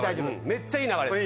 めっちゃいい流れ。